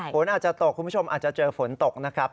ฝนอาจจะตกคุณผู้ชมอาจจะเจอฝนตกนะครับ